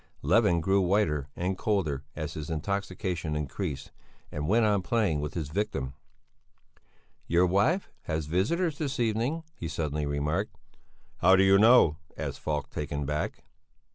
Levin grew whiter and colder as his intoxication increased, and went on playing with his victim. "Your wife has visitors this evening," he suddenly remarked. "How do you know?" asked Falk, taken aback.